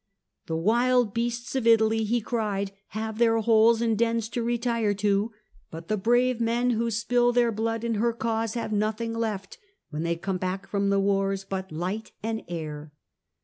''The wild beasts of Italy," he cried, "have their holes and dens to retire to, but the brave men who spill their blood in her cause have nothing left, when they come back from the wars, but light and air.